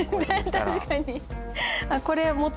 確かに。